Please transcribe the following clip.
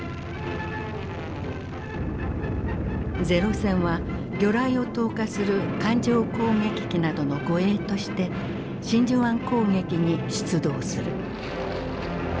零戦は魚雷を投下する艦上攻撃機などの護衛として真珠湾攻撃に出動する。